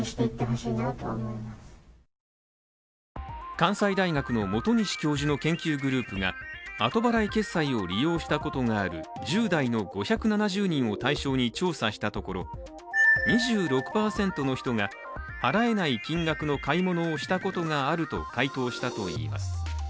関西大学の本西教授の研究グループが後払い決済を利用したことがある１０代の５７０人を対象に調査したところ２６％の人が、払えない金額の買い物をしたことがあると回答したといいます。